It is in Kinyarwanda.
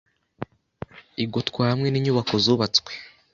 Igotwa hamwe n’inyubako zubatswe